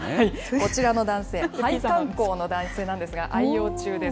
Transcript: こちらの男性、配管工の男性なんですが、愛用中です。